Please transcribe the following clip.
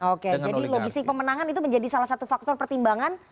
oke jadi logistik pemenangan itu menjadi salah satu faktor pertimbangan